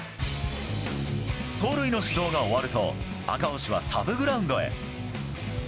走塁の指導が終わると赤星はサブグラウンドへ。